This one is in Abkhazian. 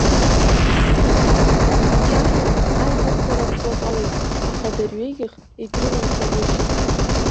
Бџьарла аидыслара ӷәӷәа ҟалеит, аха дырҩегьых егьрылымшагәышьеит.